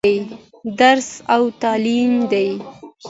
درس او تعليم دى.